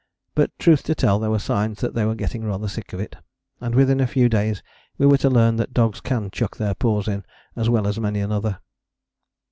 But truth to tell there were signs that they were getting rather sick of it, and within a few days we were to learn that dogs can chuck their paws in as well as many another.